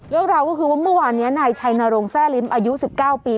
เรื่องราวก็คือว่าเมื่อวานนี้นายชัยนรงแซ่ลิ้มอายุ๑๙ปี